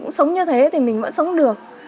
cũng sống như thế thì mình vẫn sống được